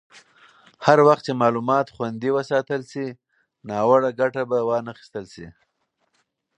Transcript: هر وخت چې معلومات خوندي وساتل شي، ناوړه ګټه به وانخیستل شي.